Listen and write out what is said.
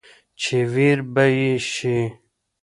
چې وېر به يې شي ،